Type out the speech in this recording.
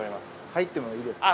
入ってもいいですか？